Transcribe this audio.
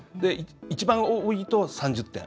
一番多いと３０点。